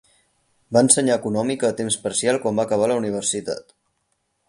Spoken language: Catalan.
Va ensenyar econòmica a temps parcial quan va acabar la universitat.